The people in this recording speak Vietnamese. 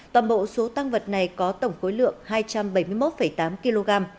toàn bộ số tăng vật này có tổng khối lượng hai trăm bảy mươi một tám kg